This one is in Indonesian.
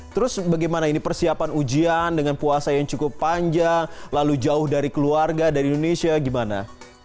terus bagaimana ini persiapan ujian dengan puasa yang cukup panjang lalu jauh dari keluarga dari indonesia gimana